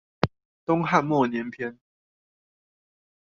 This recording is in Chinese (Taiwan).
東漢末年篇